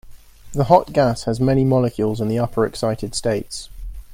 The hot gas has many molecules in the upper excited states.